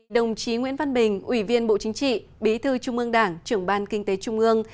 đồng chí nguyễn văn bình ủy viên bộ chính trị bí thư trung ương đảng trưởng ban kinh tế trung ương